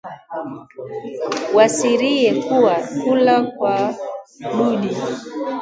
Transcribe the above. Wasiriye kuwa kula kwa dudi